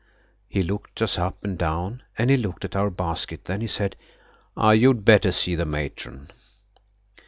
He looked us up and down, and he looked at our basket, then he said: "You'd better see the Matron."